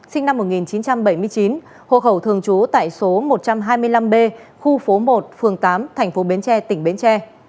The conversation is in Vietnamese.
sinh năm một nghìn chín trăm bảy mươi chín hộ khẩu thường trú tại số một trăm hai mươi năm b khu phố một phường tám thành phố bến tre tỉnh bến tre